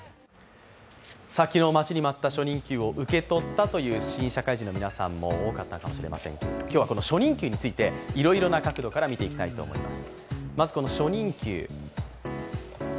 昨日、待ちに待った初任給を受け取ったという新社会人の皆さんも多かったかもしれません、今日はこの初任給についていろいろな角度から見ていきたいと思います。